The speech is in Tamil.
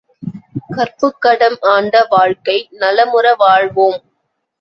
கற்புக்கடம் ஆண்ட வாழ்க்கை நலமுற வாழ்வோம்!